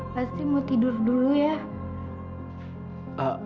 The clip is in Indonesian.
pasti mau tidur dulu ya